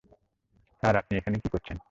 Sir, আপনি এখানে কি করছেন?